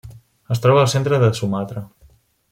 Es troba al centre de Sumatra.